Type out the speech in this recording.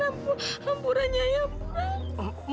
ampuran nyai ampuran